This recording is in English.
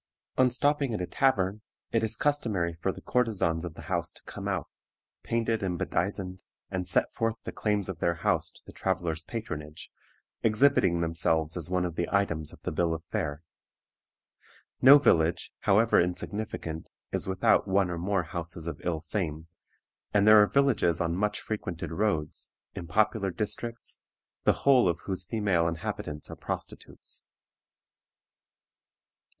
On stopping at a tavern, it is customary for the courtesans of the house to come out, painted and bedizened, and set forth the claims of their house to the traveler's patronage, exhibiting themselves as one of the items of the bill of fare. No village, however insignificant, is without one or more houses of ill fame, and there are villages on much frequented roads, in popular districts, the whole of whose female inhabitants are prostitutes.